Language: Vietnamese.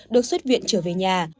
được xuất viện trở về nhà